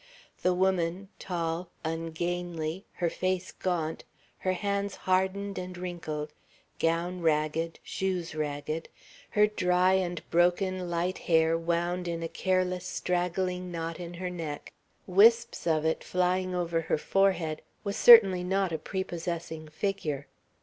The woman, tall, ungainly, her face gaunt, her hands hardened and wrinkled, gown ragged, shoes ragged, her dry and broken light hair wound in a careless, straggling knot in her neck, wisps of it flying over her forehead, was certainly not a prepossessing figure.